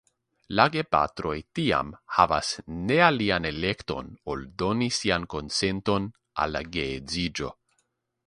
La gepatroj tiam havas ne alian elekton ol doni sian konsenton al la geedziĝo.